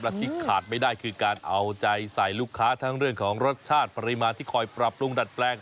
และที่ขาดไม่ได้คือการเอาใจใส่ลูกค้าทั้งเรื่องของรสชาติปริมาณที่คอยปรับปรุงดัดแปลง